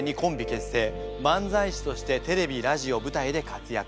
漫才師としてテレビラジオ舞台で活躍。